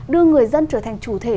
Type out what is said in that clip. đưa người dân trở thành chủ thể